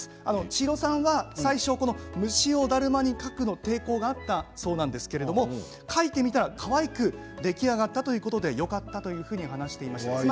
千尋さんが最初虫をだるまに描くのに抵抗があったそうなんですけど描いてみたらかわいく出来上がったということでよかったと話していました。